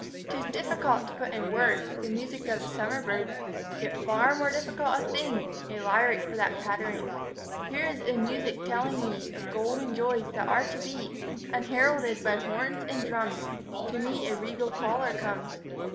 'Tis difficult to put in words The music of the summer birds, Yet far more difficult a thing A lyric for that pattering; Here is a music telling me Of golden joys that are to be; Unheralded by horns and drums, To me a regal caller comes.